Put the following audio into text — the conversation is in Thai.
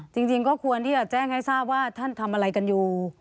จริงก็ควรที่จะแจ้งให้ทราบว่าท่านทำอะไรกันอยู่